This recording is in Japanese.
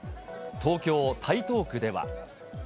東京・台東区では。